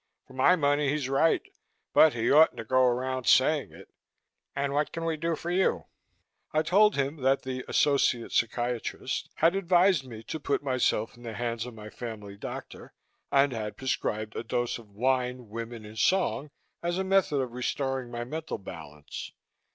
For my money, he's right but he oughtn't to go around saying it. And what can we do for you?" I told him that the "associate psychiatrist" had advised me to put myself in the hands of my family doctor and had prescribed a dose of wine, women and song as a method of restoring my mental balance.